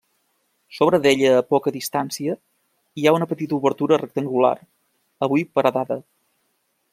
Sobre d'ella a poca distància, hi ha una petita obertura rectangular, avui paredada.